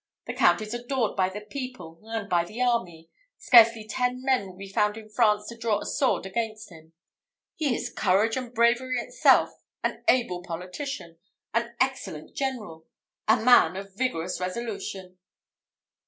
The Count is adored by the people and by the army scarcely ten men will be found in France to draw a sword against him. He is courage and bravery itself an able politician an excellent general a man of vigorous resolution."